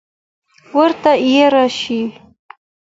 اوته اېره شې!